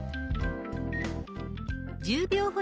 １０秒ほど待ち